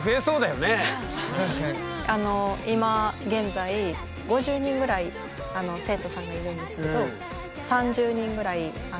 あの今現在５０人ぐらい生徒さんがいるんですけどへえ！